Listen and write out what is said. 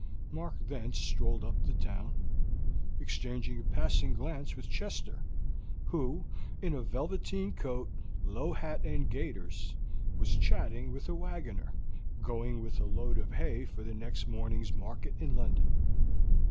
Mark then strolled up the town, exchanging a passing glance with Chester, who, in a velveteen coat, low hat and gaiters, was chatting with a wagoner going with a load of hay for the next morning's market in London.